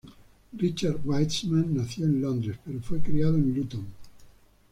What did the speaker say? Richard Wiseman nació en Londres pero fue criado en Luton.